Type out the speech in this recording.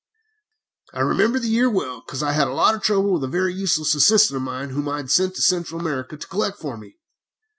"I remember the year well, because I had a lot of trouble with a very useless assistant of mine, whom I sent to Central America to collect for me.